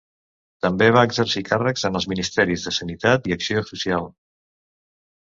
També va exercir càrrecs en els ministeris de Sanitat i Acció Social.